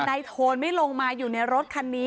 แล้วทแฮพทวนไม่ลงมาอยู่ในรถคันนี้